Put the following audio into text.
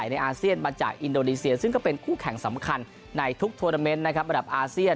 ในทุกทวนเตอร์เมนต์นะครับอัดับเอาเซียน